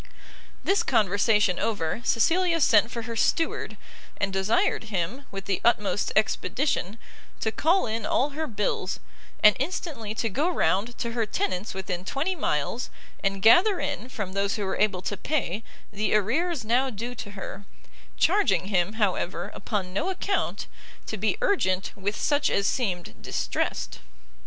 This conversation over, Cecilia sent for her Steward, and desired him, with the utmost expedition, to call in all her bills, and instantly to go round to her tenants within twenty miles, and gather in, from those who were able to pay, the arrears now due to her; charging him, however, upon no account, to be urgent with such as seemed distressed.